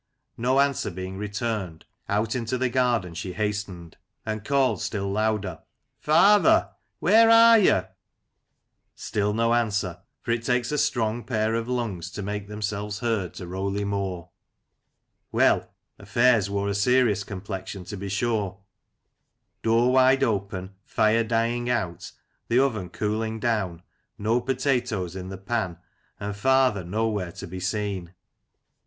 No answer being returned, out into the garden she hastened, and called still louder " Father ! where are you ?" Still no answer; for it takes a strong pair of lungs to make them selves heard to Rowley Moor ! Well, aflfairs wore a serious complexion to be sure — door wide open, fire dying out, the oven cooling down, no potatoes in the pan, and father nowhere to be seen!